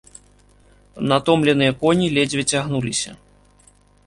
Натомленыя коні ледзьве цягнуліся.